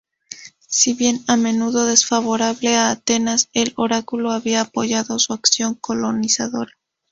Si bien a menudo desfavorable a Atenas, el oráculo había apoyado su acción colonizadora.